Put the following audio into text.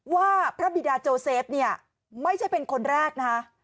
ว่าพระบิดาโจเซฟเนี่ยไม่ใช่เป็นคนแรกนะคะ